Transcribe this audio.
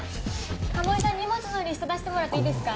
鴨井さん荷物のリスト出してもらっていいですか？